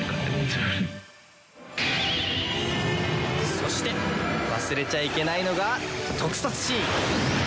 そして忘れちゃいけないのが特撮シーン！